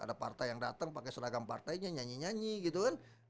ada partai yang datang pakai seragam partainya nyanyi nyanyi gitu kan